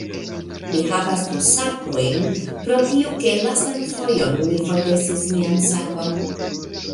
Mi havas du sakojn pro tio, ke lastan fojon mi forgesis mian sakon